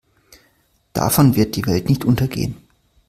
Davon wird die Welt nicht untergehen.